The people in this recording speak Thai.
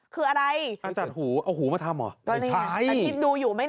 คืออะไร